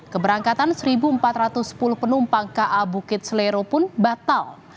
keberangkatan satu empat ratus sepuluh penumpang ka bukit selero pun batal